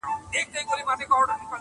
ناګهانه یې د بخت کاسه چپه سوه،